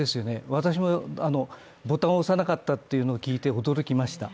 私もボタンを押さなかったというのを聞いて、驚きました。